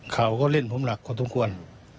ข่าวก็เล่นผมหลักความทุกคน